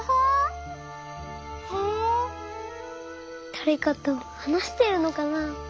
だれかとはなしてるのかな？